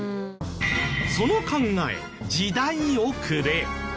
その考え時代遅れ。